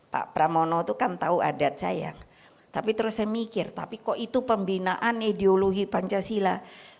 pak pramono itu kan tahu adat saya tapi terus saya mikir tapi kok itu pembinaan ideologi pancasila